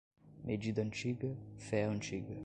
Medida antiga, fé antiga.